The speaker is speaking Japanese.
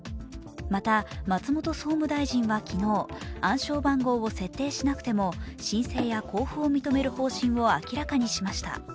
また松本総務大臣は昨日、暗証番号を設定しなくても申請や交付を認める方針を明らかにしました。